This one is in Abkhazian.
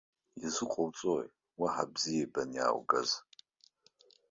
Изыҟоуҵои уаҳа бзиа ибаны иааугаз.